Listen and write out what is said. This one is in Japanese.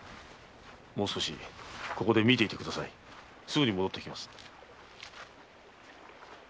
もう少しここで見ていてくださいすぐに戻ってきます。